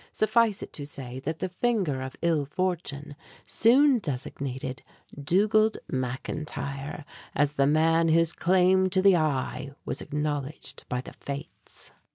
Suffice it to say that the finger of ill fortune soon designated Dugald McIntyre as the man whose claim to the "Eye" was acknowledged by the Fates.